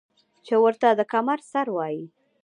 چې ورته د کمر سر وايي ـ